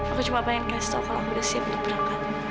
aku cuma pengen kasih tau kalau aku udah siap untuk berangkat